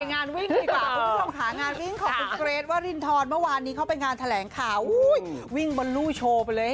งานวิ่งดีกว่าคุณผู้ชมค่ะงานวิ่งของคุณเกรทวรินทรเมื่อวานนี้เข้าไปงานแถลงข่าววิ่งบนลู่โชว์ไปเลย